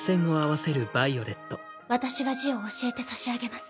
私が字を教えてさしあげます。